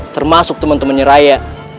termasuk temen temennya raya